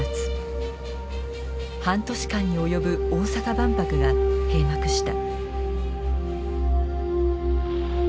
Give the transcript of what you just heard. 半年間に及ぶ大阪万博が閉幕した。